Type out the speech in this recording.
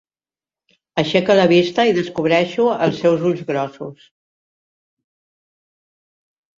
Aixeca la vista i descobreixo els seus ulls grossos.